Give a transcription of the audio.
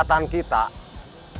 kita akan mencari kang cecep